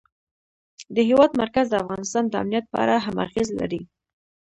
د هېواد مرکز د افغانستان د امنیت په اړه هم اغېز لري.